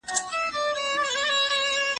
دغه ګناهګار ته یوه خوله خندا راولېږه